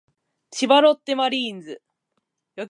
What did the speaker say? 千葉ロッテマリーンズ